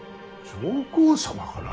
上皇様から？